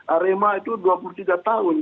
arema itu dua puluh tiga tahun